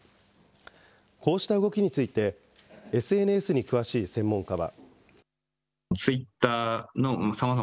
こうした動きについて、ＳＮＳに詳しい専門家は。